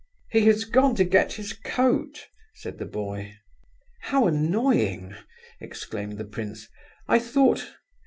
"He has gone to get his coat," said the boy. "How annoying!" exclaimed the prince. "I thought...